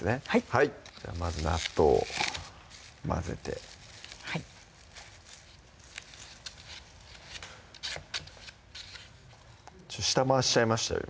はいまず納豆を混ぜて下回しちゃいましたよ